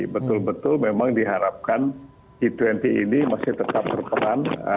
betul betul memang diharapkan g dua puluh ini masih tetap berperan